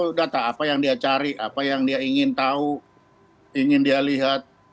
oh data apa yang dia cari apa yang dia ingin tahu ingin dia lihat